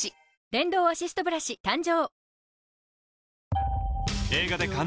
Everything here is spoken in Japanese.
電動アシストブラシ誕生